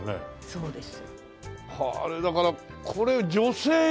そうです。